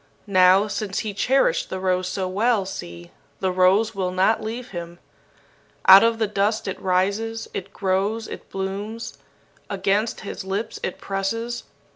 Now, since he cherished the rose so well, see, the rose will not leave him. Out of the dust it rises, it grows, it blooms. Against his lips it presses.